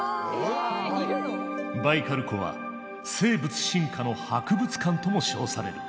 バイカル湖は「生物進化の博物館」とも称される。